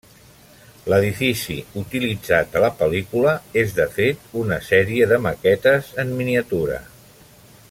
L'edifici utilitzat a la pel·lícula és de fet una sèrie de maquetes en miniatura.